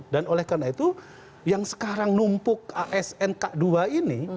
dan oleh karena itu yang sekarang numpuk asn k dua ini